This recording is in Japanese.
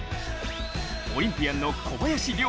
オリンピアンの小林陵